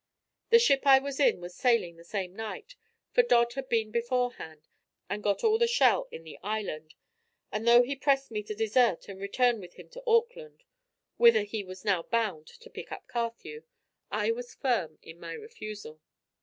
The ship I was in was sailing the same night, for Dodd had been beforehand and got all the shell in the island; and though he pressed me to desert and return with him to Auckland (whither he was now bound to pick up Carthew) I was firm in my refusal.